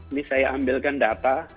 ini saya ambilkan data